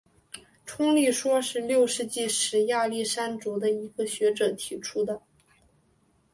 冲力说是六世纪时亚历山卓的一个学者提出的。